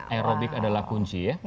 aerobik adalah kunci ya